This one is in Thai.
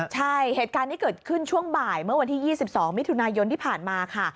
ใช่เหตุการณ์นี้เกิดขึ้นช่วงบ่ายเมื่อวันที่๒๒มิถุนายนที่ผ่านมาค่ะ